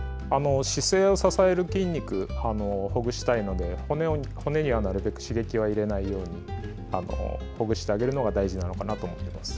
姿勢を支える筋肉をほぐしたいので骨にはなるべく刺激を入れないようにほぐしてあげるのが大事だと思います。